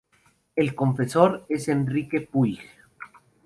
El confesor es Enrique Puig.